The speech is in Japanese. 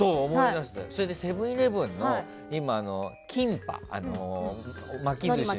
それでセブン‐イレブンのキンパ、巻き寿司の。